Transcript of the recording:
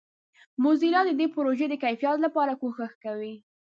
موزیلا د دې پروژې د کیفیت لپاره کوښښ کوي.